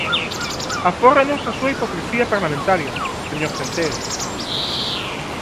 Afórrenos a súa hipocrisía parlamentaria, señor Centeo.